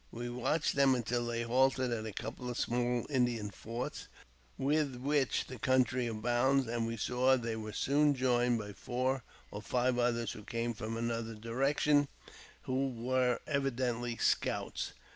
We watched them until they halted at a couple of small Indian forts, with which the country abounds, and we saw they were soon joined by four or five others who came from another direction, and who were evidently scouts.